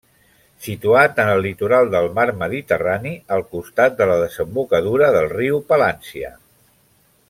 Situat en el litoral del mar Mediterrani al costat de la desembocadura del riu Palància.